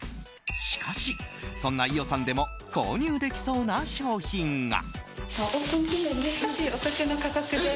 しかし、そんな伊代さんでも購入できそうな商品が。